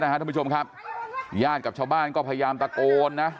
ท่านผู้ชมครับญาติกับชาวบ้านก็พยายามตะโกนนะ